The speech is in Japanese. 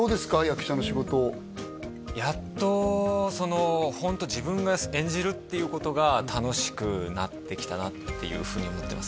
役者の仕事やっとホント自分が演じるっていうことが楽しくなってきたなっていうふうに思ってますね